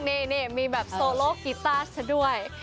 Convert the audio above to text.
นี่มีแบบโซโลกิตาร์ดด้วย